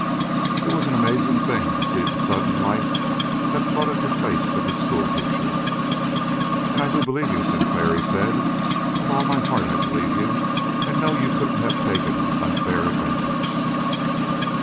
It was an amazing thing to see the sudden light that flooded the face of the schoolteacher. "And I do believe you, Sinclair," he said. "With all my heart I believe you and know you couldn't have taken an unfair advantage!"